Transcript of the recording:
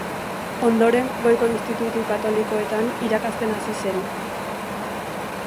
Ondoren, goiko institutu katolikoetan irakasten hasi zen.